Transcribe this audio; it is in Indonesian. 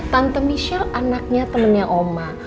tante michelle anaknya temannya oma